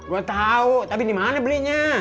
gue tau tapi dimana belinya